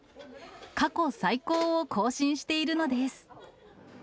過去最高を更新しているのです。